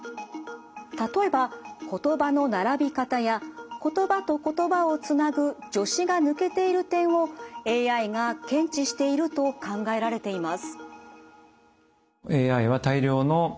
例えば言葉の並び方や言葉と言葉をつなぐ助詞が抜けている点をＡＩが検知していると考えられています。